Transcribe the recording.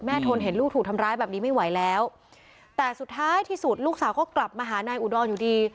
ทนเห็นลูกถูกทำร้ายแบบนี้ไม่ไหวแล้วแต่สุดท้ายที่สุดลูกสาวก็กลับมาหานายอุดรอยู่ดี